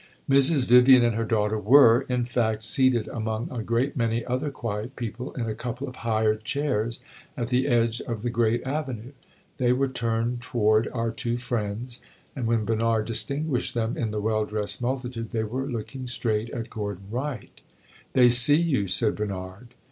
Mrs. Vivian and her daughter were, in fact, seated among a great many other quiet people, in a couple of hired chairs, at the edge of the great avenue. They were turned toward our two friends, and when Bernard distinguished them, in the well dressed multitude, they were looking straight at Gordon Wright. "They see you!" said Bernard.